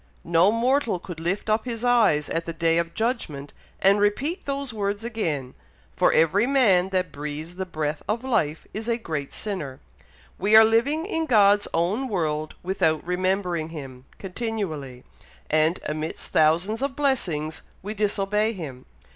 No mortal could lift up his eyes at the day of judgment, and repeat those words again; for every man that breathes the breath of life is a great sinner. We are living in God's own world without remembering him, continually; and amidst thousands of blessings we disobey him.